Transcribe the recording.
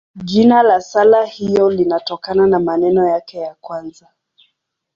Jina la sala hiyo linatokana na maneno yake ya kwanza.